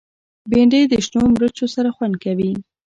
بېنډۍ د شنو مرچو سره خوند کوي